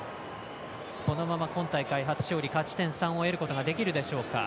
このまま今大会、初勝利勝ち点３を得ることができるでしょうか。